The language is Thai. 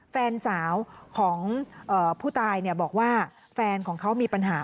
แฟนสาวของผู้ตายบอกว่าแฟนของเขามีปัญหา